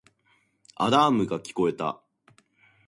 アラームが聞こえた